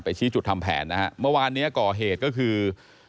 ชี้จุดทำแผนนะฮะเมื่อวานเนี้ยก่อเหตุก็คือ